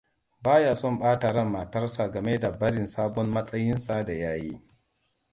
Ba ya son ɓata ran matarsa game da barin sabon matsayinsa da ya yi.